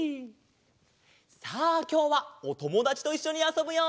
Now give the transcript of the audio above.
さあきょうはおともだちといっしょにあそぶよ！